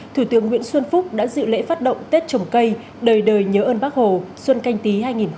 thủ tướng nguyễn xuân phúc đã dự lễ phát động tết trồng cây đời đời nhớ ơn bác hồ xuân canh tí hai nghìn hai mươi